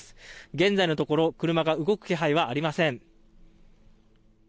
現在のところ車が動く気配はありません。